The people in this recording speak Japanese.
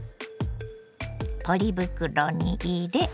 ポリ袋に入れ